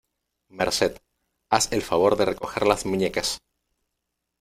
Merced, ¡haz el favor de recoger las muñecas!